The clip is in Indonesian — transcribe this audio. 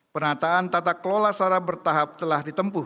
penataan tata kelola secara bertahap telah ditempuh